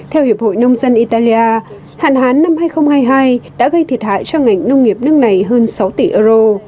theo hiệp hội nông dân italia hạn hán năm hai nghìn hai mươi hai đã gây thiệt hại cho ngành nông nghiệp nước này hơn sáu tỷ euro